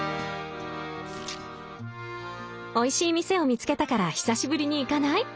「おいしい店を見つけたから久しぶりに行かない？